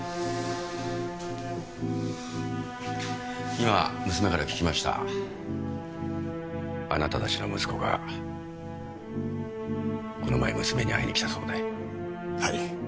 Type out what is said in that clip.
今娘から聞きましたあなた達の息子がこの前娘に会いに来たそうではい